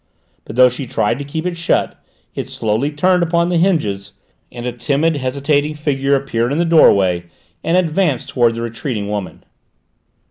But though she tried to keep it shut, it slowly turned upon the hinges, and a timid, hesitating figure appeared in the doorway and advanced towards the retreating woman.